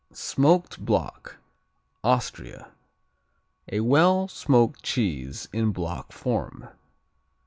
Smoked Block Austria A well smoked cheese in block form.